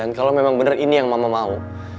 dan kalau memang bener ini yang mama mau